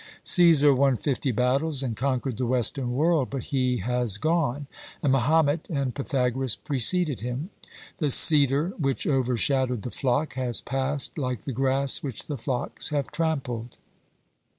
Caesar won fifty battles and conquered the western world, but he has gone, and Mahomet and Pythagoras preceded him. The cedar which overshadowed the flock has passed like the grass which the flocks have trampled.